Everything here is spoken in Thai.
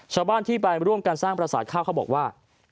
ชาวบ้านที่บรรยายพิธีการร่วมการสร้างประสาทข้าวเขาบอกว่า